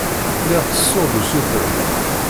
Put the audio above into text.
Lliɣ ttessuɣ-d usuten.